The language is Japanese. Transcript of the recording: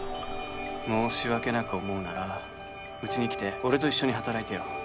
申し訳なく思うならうちに来て俺と一緒に働いてよ